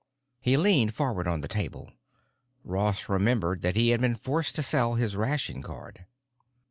He leaned forward on the table. Ross remembered that he had been forced to sell his ration card.